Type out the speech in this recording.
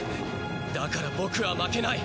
だから僕は負けない。